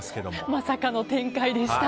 まさかの展開でした。